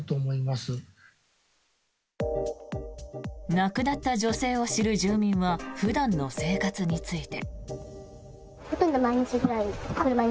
亡くなった女性を知る住民は普段の生活について。